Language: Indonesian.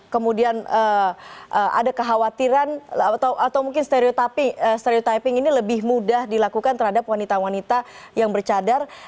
kemudian ada kekhawatiran atau mungkin stereotyping ini lebih mudah dilakukan terhadap wanita wanita yang bercadar